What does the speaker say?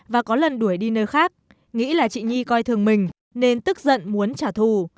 và có lần đuổi đi nơi khác nghĩ là chị nhi coi thường mình nên tức giận muốn trả thù